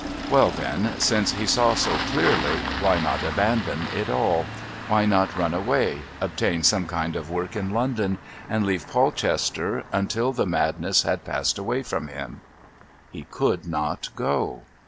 Well, then, since he saw so clearly, why not abandon it all? Why not run away, obtain some kind of work in London and leave Polchester until the madness had passed away from him? He could not go.